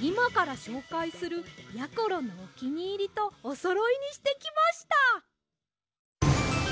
いまからしょうかいするやころのおきにいりとおそろいにしてきました！